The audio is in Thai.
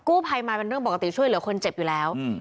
กู้ภัยมาเป็นเรื่องปกติช่วยเหลือคนเจ็บอยู่แล้ว